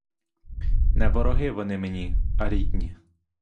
Не вороги вони мені, а рідні.